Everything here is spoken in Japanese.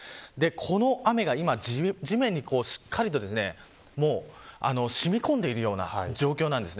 この雨が地面にしっかりとしみ込んでいるような状況です。